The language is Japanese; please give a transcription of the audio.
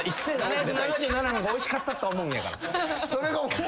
７７７の方がおいしかったって思うんやから。